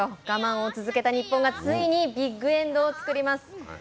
我慢を続けた日本がついにビッグエンドをつくります。